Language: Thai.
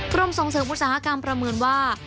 กรมส่งเสริมอุตสาหกรรมประเมินว่า